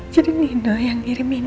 jadi nino yang ngirim ini